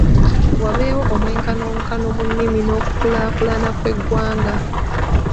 Wabeewo omwenkanonkano mu nnimi n'okukulaakulana kw'eggwanga.